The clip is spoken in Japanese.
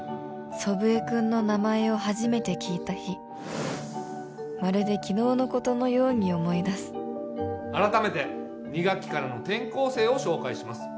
祖父江君の名前を初めて聞いた日まるで昨日のことのように思い出す改めて２学期からの転校生を紹介します